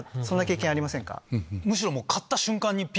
むしろ。